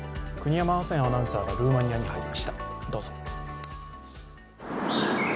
国山ハセンアナウンサーがルーマニアに入りました。